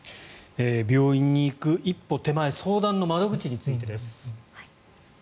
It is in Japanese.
病院に行く一歩手前相談の窓口についてです。